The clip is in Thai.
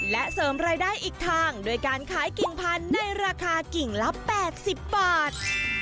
และเสริมรายได้อีกทางด้วยการขายกิ่งพันธุ์ในราคากิ่งละ๘๐บาท